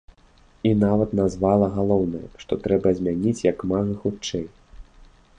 І нават назвала галоўнае, што трэба змяніць як мага хутчэй.